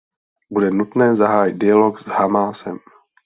Bude nutné zahájit dialog s Hamásem.